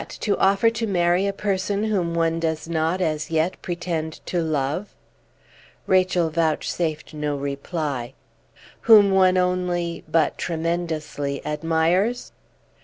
To offer to marry a person whom one does not as yet pretend to love?" Rachel vouchsafed no reply. "Whom one only but tremendously admires?"